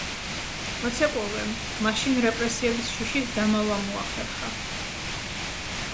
მოცეკვავემ მაშინ, რეპრესიების შიშით, დამალვა მოახერხა.